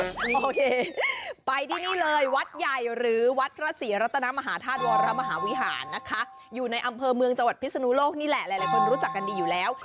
โอเคไปที่นี่เลยวัดใหญ่หรือวัดพระศรีรัตนมหาธาตุวรมหาวิหารนะคะอยู่ในอำเภอเมืองจังหวัดพิศนุโลกนี่แหละหลายคนรู้จักกันดีอยู่แล้ว